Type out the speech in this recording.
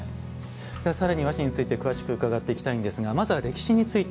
さらに和紙について詳しく伺っていきたいんですがまずは歴史について。